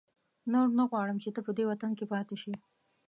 نور نه غواړم چې ته په دې وطن کې پاتې شې.